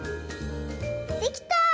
できた！